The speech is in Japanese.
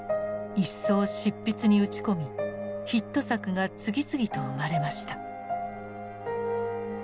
一層執筆に打ち込みヒット作が次々と生まれました。